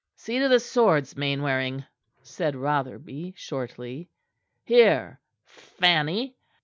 "See to the swords, Mainwaring," said Rotherby shortly. "Here, Fanny!"